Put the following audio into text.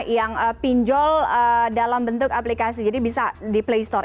yang pinjol dalam bentuk aplikasi jadi bisa di playstore